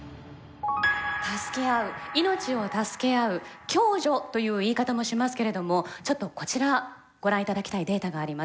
助け合う命を助け合う「共助」という言い方もしますけれどもちょっとこちらご覧頂きたいデータがあります。